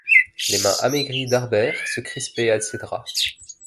Les mains amaigries d’Harbert se crispaient à ses draps.